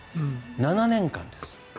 ７年間です。